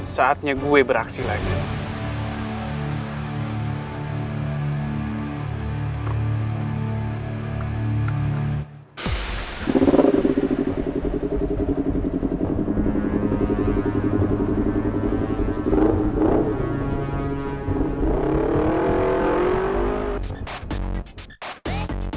saatnya gue beraksi lagi